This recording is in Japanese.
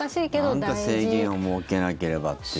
何か制限を設けなければっていうね。